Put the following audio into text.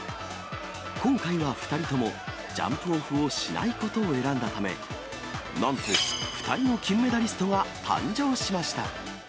今回は２人ともジャンプオフをしないことを選んだため、なんと、２人の金メダリストが誕生しました。